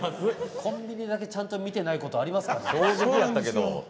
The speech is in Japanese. コンビニだけちゃんと見てないことありますかね。